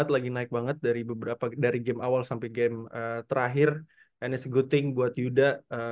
lagi naik banget dari beberapa dari game awal sampe game terakhir and it s a good thing buat yudha